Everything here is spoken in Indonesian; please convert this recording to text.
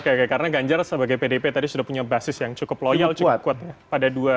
oke karena ganjar sebagai pdp tadi sudah punya basis yang cukup loyal cukup kuat pada dua ribu sembilan belas